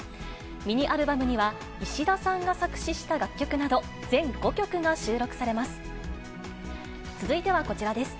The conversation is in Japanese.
ミニアルバムには、石田さんが作詞した楽曲など、全５曲が収録されます。